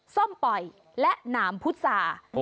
ส้มปล่อยและหนามพุษา